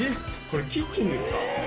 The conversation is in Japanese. これキッチンですか？